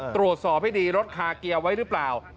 ตรวจสอบให้ดีรถคาเกียร์ไว้หรือเปล่า